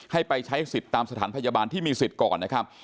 ให้ไปใช้สิทธิ์ตามสถานพยาบาลที่มีสิทธิ์ก่อนนะครับ